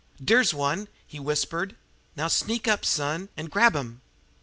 "Dere's one!" he whispered suddenly. "Now, sneak up, son, an' grab 'im!"